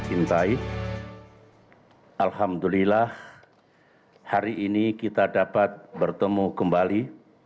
intai alhamdulillah hari ini kita dapat bertemu kembali